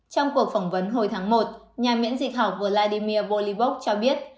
trong cuộc phỏng vấn hồi tháng một nhà miễn dịch học vladimir bolivok cho biết